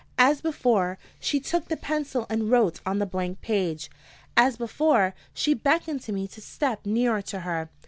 As before, she took the pencil and wrote on the blank page. As before, she beckoned to me to step nearer to her.